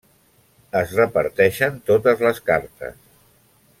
Es reparteixen totes les cartes.